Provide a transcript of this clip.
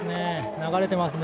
流れてますね。